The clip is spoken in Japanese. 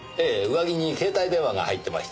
上着に携帯電話が入ってましてね